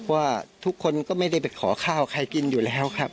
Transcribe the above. ว่าทุกคนก็ไม่ได้ไปขอข้าวใครกินอยู่แล้วครับ